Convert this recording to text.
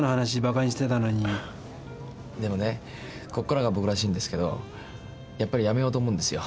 でもねこっからが僕らしいんですけどやっぱりやめようと思うんですよ。